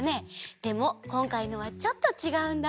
でもこんかいのはちょっとちがうんだ。